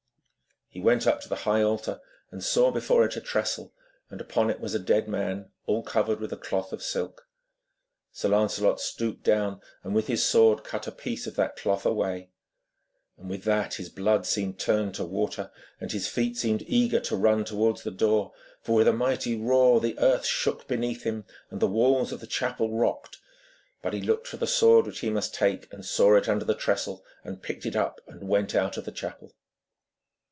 He went up to the high altar, and saw before it a trestle, and upon it was a dead man, all covered with a cloth of silk. Sir Lancelot stooped down, and with his sword cut a piece of that cloth away. With that his blood seemed turned to water, and his feet seemed eager to run towards the door, for with a mighty roar the earth shook beneath him, and the walls of the chapel rocked. But he looked for the sword which he must take, and saw it under the trestle, and picked it up and went out of the chapel.